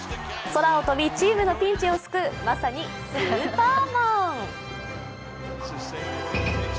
空を飛びチームのピンチを救うまさにスーパーマン。